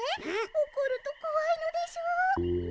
おこるとこわいのでしょう？